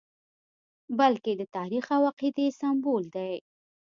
بلکې د تاریخ او عقیدې سمبول دی.